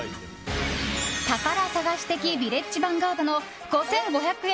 宝探し的ヴィレッジヴァンガードの５５００円